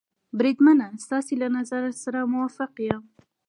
بریدمنه، ستاسې له نظر سره موافق یم.